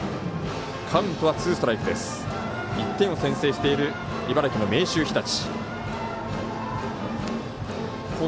１点を先制している茨城の明秀日立。